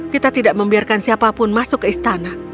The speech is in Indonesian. kita tidak membiarkan siapapun masuk ke istana